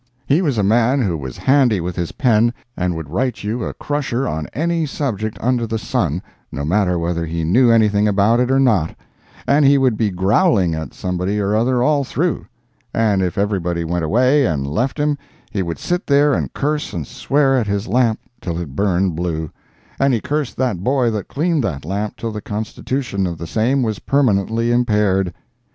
He was a man who was handy with his pen, and would write you a crusher on any subject under the sun, no matter whether he knew anything about it or not—and he would be growling at somebody or other all through; and if everybody went away and left him he would sit there and curse and swear at his lamp till it burned blue; and he cursed that boy that cleaned that lamp till the constitution of the same was permanently impaired.